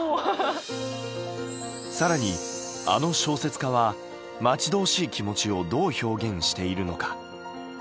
更にあの小説家は待ち遠しい気持ちをどう表現しているのか。